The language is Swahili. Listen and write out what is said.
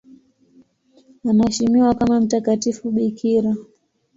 Anaheshimiwa kama mtakatifu bikira.